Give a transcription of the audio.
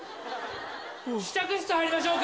試着室入りましょうか。